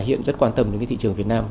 hiện rất quan tâm đến cái thị trường việt nam